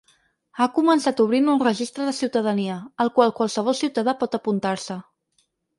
Ha començat obrint un registre de ciutadania, al qual qualsevol ciutadà pot apuntar-se.